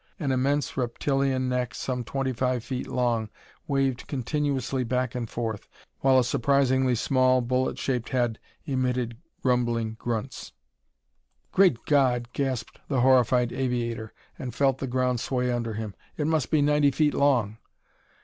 An immense reptilian neck some twenty five feet long weaved continuously back and forth, while a surprisingly small, bullet shaped head emitted rumbling grunts. "Great God!" gasped the horrified aviator, and felt the ground sway under him. "It must be ninety feet long!"